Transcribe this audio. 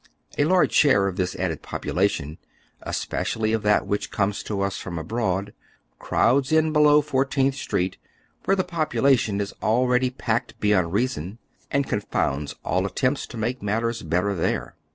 A large share of this added popu lation, especially of that which came to us from abroad, crowds in below Fourteenth Street, where the population is already packed beyond reason, and confounds all at tempts to make matters better there.